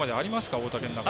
大竹の中で。